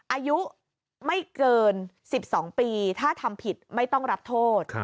อายุไม่เกิน๑๒ปีถ้าทำผิดไม่ต้องรับโทษ